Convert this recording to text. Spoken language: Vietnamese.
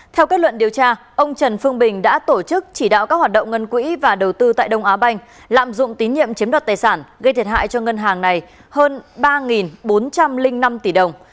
theo kết luận điều tra ông trần phương bình đã tổ chức chỉ đạo các hoạt động ngân quỹ và đầu tư tại đông á banh lạm dụng tín nhiệm chiếm đoạt tài sản gây thiệt hại cho ngân hàng này hơn ba bốn trăm linh năm tỷ đồng